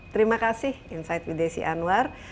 terima kasih insight bdc anwar